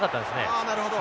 ああなるほど。